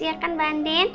ya kan mbak andin